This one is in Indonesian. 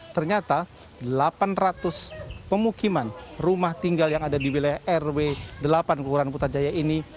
ternyata delapan ratus pemukiman rumah tinggal yang ada di wilayah rw delapan kelurahan putrajaya ini